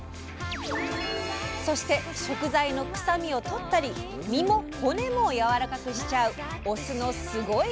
そして食材の臭みをとったり身も骨もやわらかくしちゃうお酢のスゴイ！